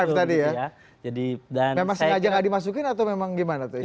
memang sengaja tidak dimasukin atau memang gimana